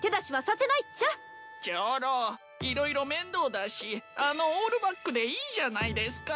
長老色々面倒だしあのオールバックでいいじゃないですか。